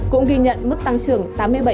cũng ghi nhận mức tăng trưởng tám mươi bảy